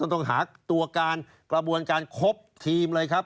ต้องหาตัวการกระบวนการครบทีมเลยครับ